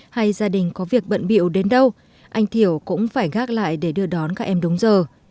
hay gia đình có việc bận biệu đến đâu anh thiểu cũng phải gác lại để đưa đón các em đúng giờ